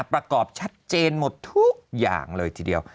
ประกอบชัดเจนหมดทุกอย่างเลยทีเดียว